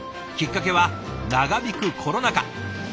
きっかけは長引くコロナ禍。